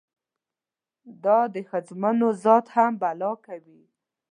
دا ښځمونی ذات هم بلا کوي.